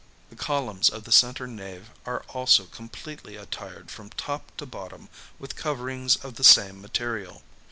The columns of the centre nave are also completely attired from top to bottom with coverings of the same material.